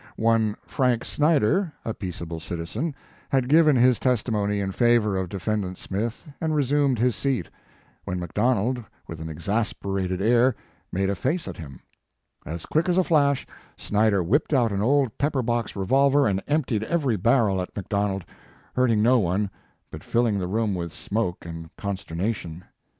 One Frank Snyder, a peac able citizen, had given his testimony in favor of defendant Smith and resumed his seat, when McDonald with an exasperat ing air made a face at him. As quick as a flash Snyder whipped out an old pepper box revolver and emptied every barrel at McDonald, hurting no one, but filling the room with smoke and consternation.